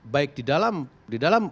baik di dalam